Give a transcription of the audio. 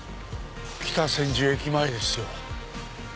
北千住駅前ですよ。